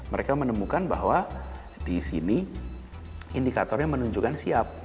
mereka menemukan bahwa di sini indikatornya menunjukkan siap